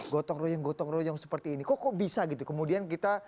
gotong royong gotong royong seperti ini kok kok bisa gitu kemudian kita